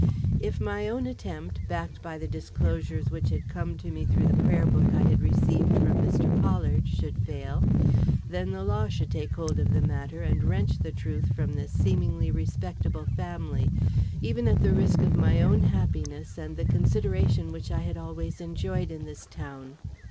If my own attempt, backed by the disclosures which had come to me through the prayer book I had received from Mr. Pollard, should fail, then the law should take hold of the matter and wrench the truth from this seemingly respectable family, even at the risk of my own happiness and the consideration which I had always enjoyed in this town.